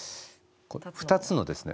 ２つのですね